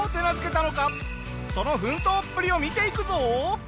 その奮闘っぷりを見ていくぞ！